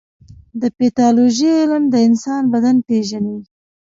د پیتالوژي علم د انسان بدن پېژني.